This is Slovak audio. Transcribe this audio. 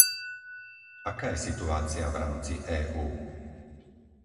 Aká je situácia v rámci EÚ?